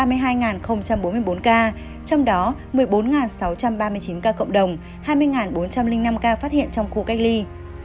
trong đó một mươi bốn sáu trăm ba mươi chín ca cộng đồng hai mươi bốn trăm linh năm ca phát hiện trong khu cách ly